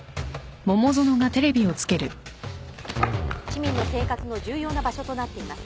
市民の生活の重要な場所となっています。